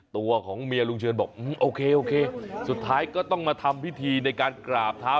ตัวของเมียลุงเชิญบอกโอเคโอเคสุดท้ายก็ต้องมาทำพิธีในการกราบเท้า